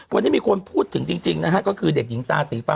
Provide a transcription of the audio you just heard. วันนี้มีคนพูดถึงจริงนะฮะก็คือเด็กหญิงตาสีฟ้า